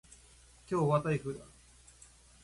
今日は台風だ。